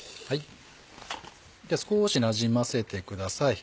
少しなじませてください。